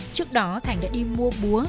trước đó thành đã đi mua búa